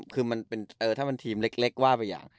คือถ้าเป็นทีมเล็กว่าไปอย่าง